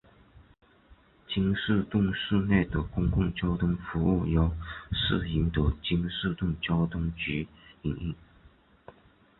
京士顿市内的公共交通服务由市营的京士顿交通局营运。